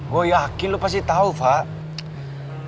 gue yakin lo pasti tau fak